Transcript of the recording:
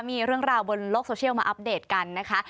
มีเรื่องราวบนโลกโซเชียลมาอัปเดตกันนะคะ